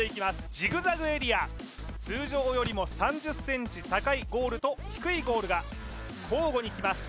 ジグザグエリア通常よりも３０ｃｍ高いゴールと低いゴールが交互にきます